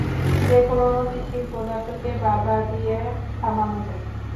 যেকোনো গতিশীল পদার্থকে বাধা দিয়ে থামানো যায়।